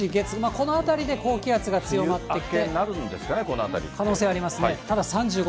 このあたりで高気圧が強まってきて。